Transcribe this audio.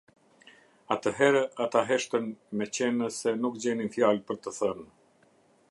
Atëherë ata heshtën me qenë se nuk gjenin fjalë për të thënë.